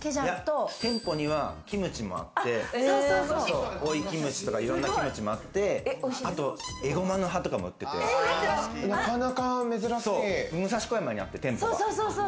店舗にはキムチもあって、オイキムチとか、いろんなキムチもあって、あとエゴマの葉とかも売ってて、武蔵小山にあって店舗が。